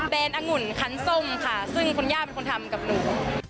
เป็นอังุ่นคันส้มค่ะซึ่งคุณย่าเป็นคนทำกับหนู